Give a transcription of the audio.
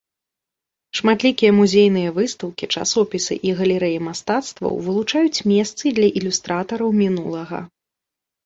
Шматлікія музейныя выстаўкі, часопісы і галерэі мастацтваў вылучаюць месцы для ілюстратараў мінулага.